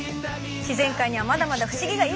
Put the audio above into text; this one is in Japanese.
自然界にはまだまだ不思議がいっぱい！